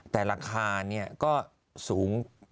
แต่ราคานี้ก็สูงกว่า